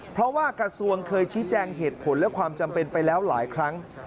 เพราะว่ากระทรวงเคยชี้แจงเหตุผลและความจำเป็นไปแล้วหลายครั้ง